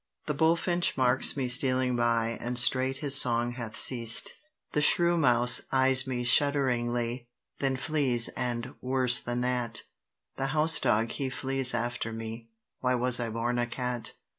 The bulfinch marks me stealing by, and straight his song hath ceased; The shrewmouse eyes me shudderingly, then flees; and, worse than that, The housedog he flees after me—why was I born a cat?